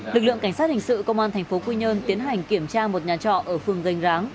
lực lượng cảnh sát hình sự công an thành phố quy nhơn tiến hành kiểm tra một nhà trọ ở phường gênh ráng